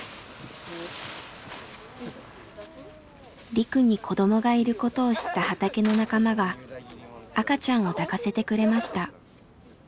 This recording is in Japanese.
リクに子どもがいることを知った畑の仲間が赤ちゃんを抱かせてくれました。